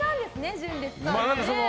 純烈さんの。